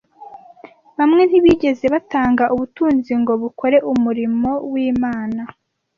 Bamwe ntibigeze batanga ubutunzi ngo bukore umurimo w’Imana,